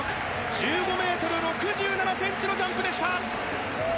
１５ｍ６７ｃｍのジャンプでした。